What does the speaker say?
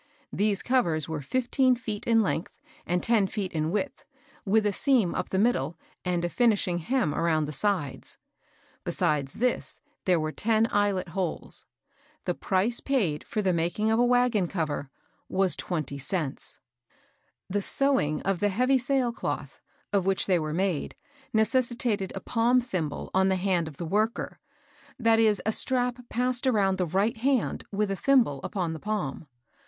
These covers were fifteen feet in length, and ten feet in width, with a seam up the middle, and a finishing hem around the sides. Be sides this there were ten eyelet holes. The price paid for the making of a wagon cover was twenty cents 1 The sewing of the heavy sail cloth, of which they % 198 MABEL KOSS. were made, necessitated a palm thimble on the hand of the worker ; that is a strap passed around the right hand with a thimble upon the paloi.